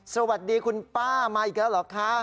สวัสดีคุณป้ามาอีกแล้วเหรอคะ